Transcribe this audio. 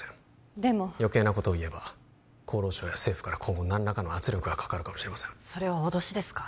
でもよけいなことを言えば厚労省や政府から今後何らかの圧力がかかるかもしれませんそれは脅しですか？